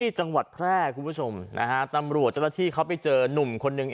จังหวัดแพร่คุณผู้ชมนะฮะตำรวจเจ้าหน้าที่เขาไปเจอนุ่มคนนึง